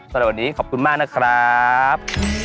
สำหรับวันนี้ขอบคุณมากนะครับ